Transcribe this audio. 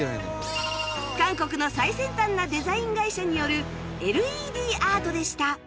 韓国の最先端なデザイン会社による ＬＥＤ アートでした